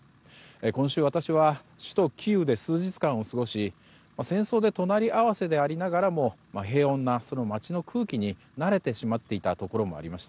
今週、私は首都キーウで数日間を過ごし戦争で隣り合わせでありながらも平穏な街の空気に慣れてしまっていたところもありました。